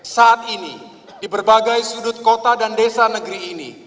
saat ini di berbagai sudut kota dan desa negeri ini